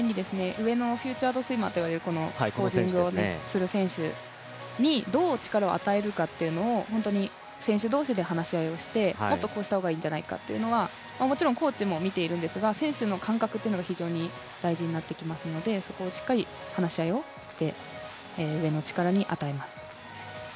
上のヒューチャードスイマーという選手にコーディングをする選手にどう力を与えるかというのは本当に選手同士で話し合いをして、もっとこうした方がいいんじゃないかというのはもちろんコーチも見ているんですが選手の間隔というのが大事になってくるのでしっかり話し合いをして上の力に与えます。